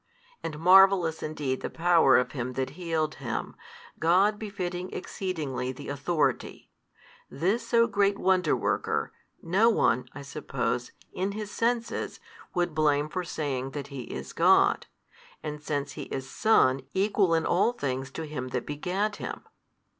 And marvellous indeed the Power of Him That healed him, God befitting exceedingly the Authority. This so great Wonderworker, no one (I suppose) in his senses would blame for saying that He is God, and since He is Son, Equal in all things to Him That begat Him.